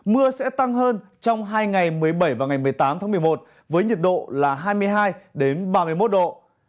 mưa sẽ tăng hơn trong hai ngày một mươi bảy và ngày một mươi tám tháng một mươi một với nhiệt độ là hai mươi hai ba mươi một độ